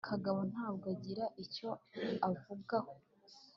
kagabo ntabwo agira icyo abivugaho